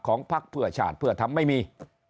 พักเพื่อชาติเพื่อทำไม่มี